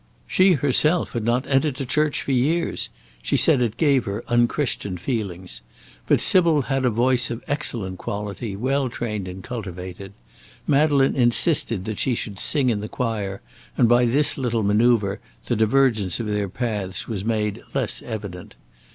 She herself had not entered a church for years; she said it gave her unchristian feelings; but Sybil had a voice of excellent quality, well trained and cultivated: Madeleine insisted that she should sing in the choir, and by this little manoeuvre, the divergence of their paths was made less evident.